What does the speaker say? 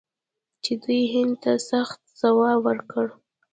چې دوی هند ته سخت ځواب ورکړ.